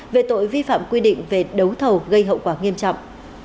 về tội vi phạm quy định về đấu thầu gây hậu quả nghiêm trọng